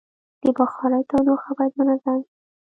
د بخارۍ تودوخه باید تنظیم شي.